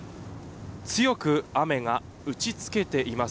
強く雨が打ちつけています